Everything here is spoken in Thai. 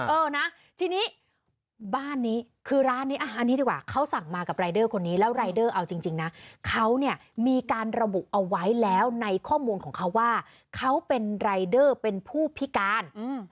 เออนะทีนี้บ้านนี้คือร้านนี้อันนี้ดีกว่าเขาสั่งมากับรายเดอร์คนนี้แล้วรายเดอร์เอาจริงนะเขาเนี่ยมีการระบุเอาไว้แล้วในข้อมูลของเขาว่าเขาเป็นรายเดอร์เป็นผู้พิการ